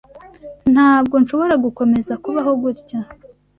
Ntabwo nshobora gukomeza kubaho gutya.